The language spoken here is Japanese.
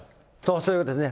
そういうことですね。